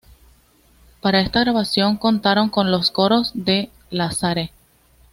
Para esta grabación contaron con los coros de Lazare.